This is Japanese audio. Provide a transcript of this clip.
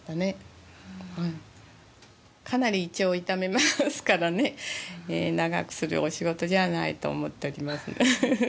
かなり胃腸を痛めますからね長くするお仕事じゃないと思っております。